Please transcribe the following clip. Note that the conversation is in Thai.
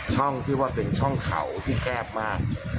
ช่องที่ว่าเป็นช่องเขาที่แคบมาก